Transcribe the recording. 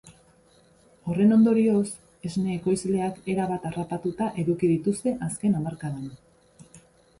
Horren ondorioz, esne ekoizleak erabat harrapatuta eduki dituzte azken hamarkadan.